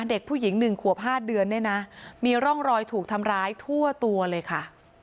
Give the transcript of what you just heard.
เด็กผู้หญิง๑ขวบ๕เดือนเนี่ยนะมีร่องรอยถูกทำร้ายทั่วตัวเลยค่ะ